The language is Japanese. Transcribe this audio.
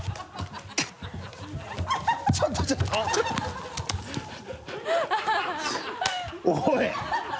ちょっとちょっと